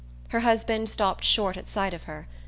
Her husband stopped short at sight of her.